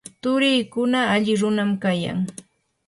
turiikuna alli runam kayan.